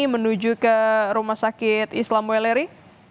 menuju ke rumah sakit islam weleri